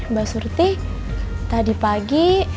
mbak surti tadi pagi